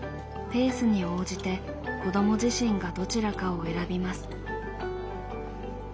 ペースに応じて子ども自身がどちらかを選びます。